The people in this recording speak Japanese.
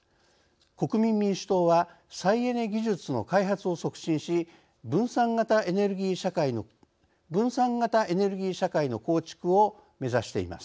国民民主党は「再エネ技術の開発を促進し分散型エネルギー社会の構築」を目指しています。